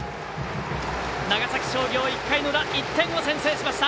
長崎商業、１回の裏１点を先制しました。